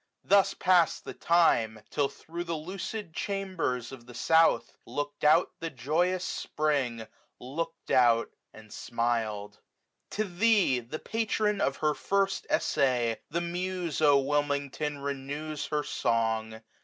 Thus pass'd the time. Til) thro' the lucid chambers of the south 15 Look'd out the joyous Spring, look'd out, and smil'd. To thee, the patron of her first essay. The Muse, O Wilmington! renews her song.